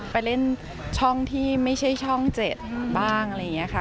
ไปเล่นช่องที่ไม่ใช่ช่อง๗บ้างอะไรอย่างนี้ค่ะ